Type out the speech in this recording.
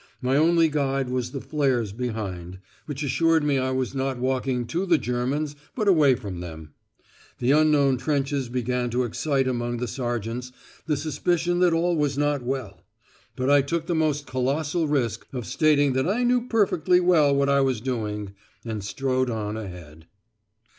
My only guide was the flares behind, which assured me I was not walking to the Germans but away from them. The unknown trenches began to excite among the sergeants the suspicion that all was not well. But I took the most colossal risk of stating that I knew perfectly well what I was doing, and strode on ahead.